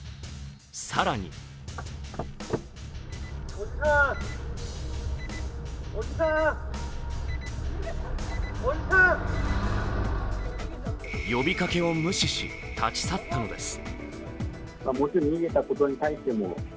更に呼びかけを無視し、立ち去ったのです。